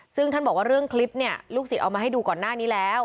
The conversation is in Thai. ซึ่งท่านบอกว่าเรื่องคลิปเนี่ยลูกศิษย์เอามาให้ดูก่อนหน้านี้แล้ว